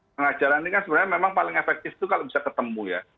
pengajaran ini kan sebenarnya memang paling efektif itu kalau bisa ketemu ya